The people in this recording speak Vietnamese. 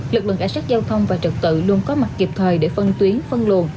lực lượng cả sát giao thông và trực tự luôn có mặt kịp thời để phân tuyến phân luồn